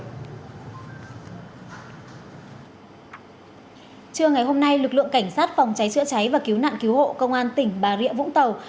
trưa ngày hôm nay lực lượng cảnh sát phòng cháy chữa cháy và cứu nạn cứu hộ công an tỉnh bà rịa vũng tàu